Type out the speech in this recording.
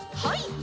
はい。